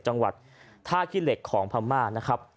จังหวัดท่าขี้เหล็กของพม่านะครับ